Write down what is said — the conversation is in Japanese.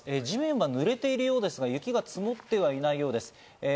地面が濡れているようですが、雪が積もってはいないようです。